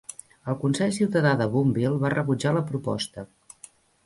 El consell ciutadà de Boonville va rebutjar la proposta.